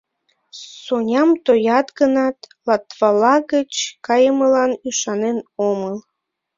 Соням тоят гынат, Латвала гыч кайымылан ӱшанен омыл.